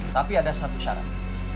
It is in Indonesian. tapi ada satu syarat